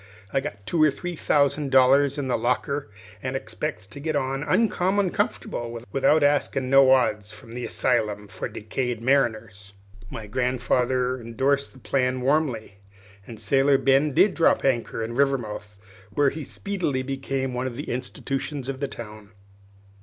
I've got two or three thousand dollars in the locker, an' expects to get on uncommon comfortable without askin' no odds from the Assylum for Decayed Mariners." My grandfather indorsed the plan warmly, and Sailor Ben did drop anchor in Rivermouth, where he speedily became one of the institutions of the town.